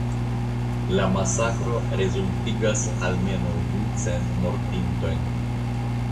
La masakro rezultigas almenaŭ du cent mortintojn.